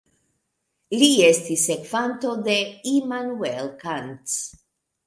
Li estis sekvanto de Immanuel Kant.